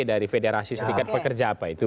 dari federasi serikat pekerja apa itu